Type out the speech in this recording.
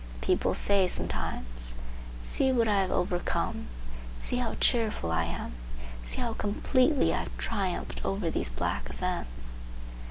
People say sometimes, 'See what I have overcome; see how cheerful I am; see how completely I have triumphed over these black events.